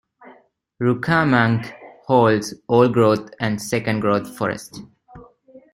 Rucamanque holds old-growth and second-growth forest.